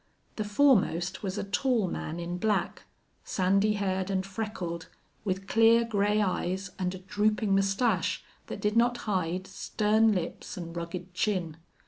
The foremost was a tall man in black, sandy haired and freckled, with clear gray eyes, and a drooping mustache that did not hide stern lips and rugged chin.